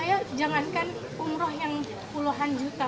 bahkan buat saya jangankan umroh yang puluhan juta